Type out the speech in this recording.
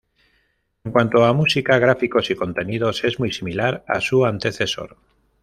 En cuanto a música, gráficos y contenidos es muy similar a su antecesor.